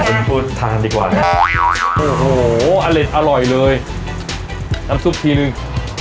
เป็นพูดถ้านดีกว่านะโอ้โหอเล็ดอร่อยเลยน้ำซุปทีนึง